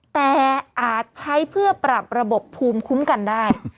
แต่อาจใช้เพื่อปรับระบบภูมิคุ้มกันได้